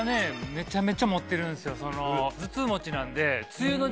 めちゃめちゃ持ってるんですよ